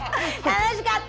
楽しかった！